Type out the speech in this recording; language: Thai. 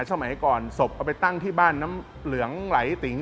สมัยก่อนศพเอาไปตั้งที่บ้านน้ำเหลืองไหลติ๋ง